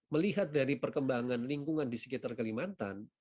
melihat dari perkembangan lingkungan di sekitar kalimantan